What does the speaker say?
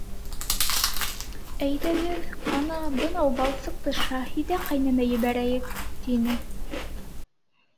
— Әйҙәгеҙ, ҡана, бынау балсыҡты Шәһиҙә ҡәйнәмә ебәрәйек, — тине.